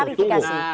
oke itu satu tunggu